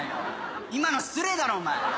今の失礼だろお前！